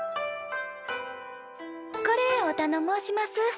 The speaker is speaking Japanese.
これおたのもうします。